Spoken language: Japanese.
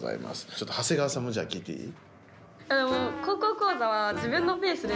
ちょっと長谷川さんもじゃあ聞いていい？